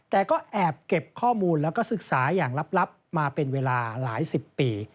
แต่ก็แอบเก็บข้อมูลแล้วก็ศึกษาอย่างลับมาเป็นเวลาหลายสิบปี